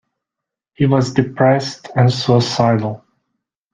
He was depressed and suicidal.